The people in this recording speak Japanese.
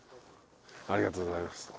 ありがとうございます。